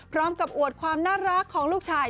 พร้อมกับอวดความน่ารักของลูกชาย